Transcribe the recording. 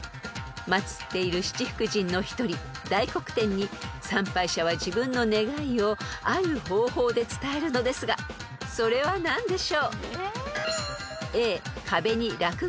［祭っている七福神の一人大黒天に参拝者は自分の願いをある方法で伝えるのですがそれは何でしょう？］